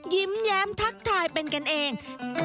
ยิ้มแย้มทักทายเป็นกันเอง